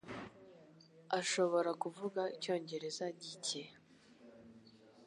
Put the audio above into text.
Ashobora kuvuga icyongereza gike.